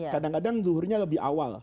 kadang kadang luhurnya lebih awal